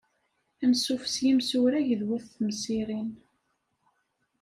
Ansuf s yimsurag d wat temsirin.